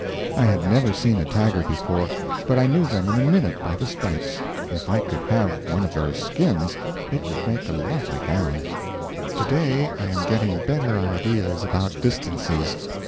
I had never seen a tiger before, but I knew them in a minute by the stripes. If I could have one of those skins, it would make a lovely gown. Today I am getting better ideas about distances.